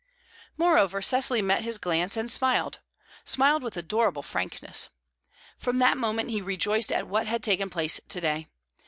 Moreover, Cecily met his glance, and smiled smiled with adorable frankness. From that moment he rejoiced at what had taken place to day.